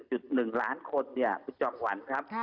อันนี้๑๑ล้านคนคุณจอบหวัณฯครับ